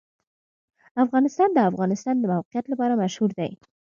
افغانستان د د افغانستان د موقعیت لپاره مشهور دی.